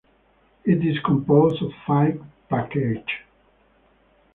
it is composed of five packages